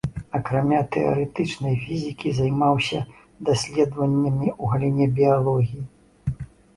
Акрамя тэарэтычнай фізікі, займаўся даследаваннямі ў галіне біялогіі.